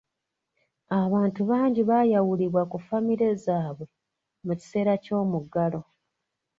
Abantu bangi baayawulibwa ku famire zaabwe mu kiseera ky'omuggalo.